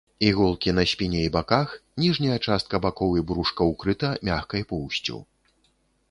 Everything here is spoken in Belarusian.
Іголкі на спіне і баках, ніжняя частка бакоў і брушка ўкрыта мяккай поўсцю.